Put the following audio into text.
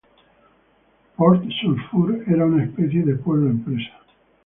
Port Sulphur era una especie de pueblo-empresa.